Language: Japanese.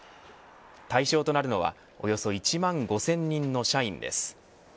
対象となるのはおよそ１万５０００人の社員です。